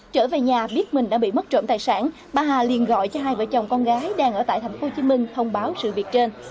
trở về nhà biết mình đã bị mất trộm tài sản bà hà liên gọi cho hai vợ chồng con gái đang ở tại tp hcm thông báo sự việc trên